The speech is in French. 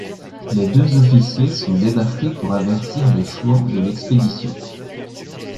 Les deux officiers sont débarqués pour avertir les Chouans de l'expédition.